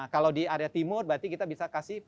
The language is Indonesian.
kalau di area timur berarti kita bisa kasih